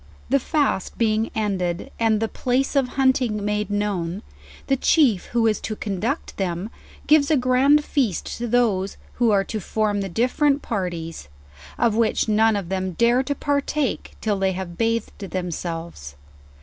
The fast being ended and the place of hunting made known, the chief who is to conduct them, gives a grand feast to those who are to form the different parties: of which none of them dare to partake till they have bathed themselves.